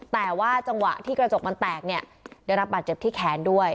แต่ว่าจังหวะที่กระจกมันแตกเนี่ยได้รับบาดเจ็บที่แขนด้วย